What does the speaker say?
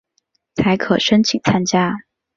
才可申请参加